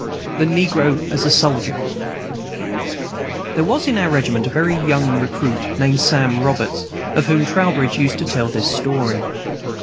The Negro as a Soldier There was in our regiment a very young recruit, named Sam Roberts, of whom Trowbridge used to tell this story.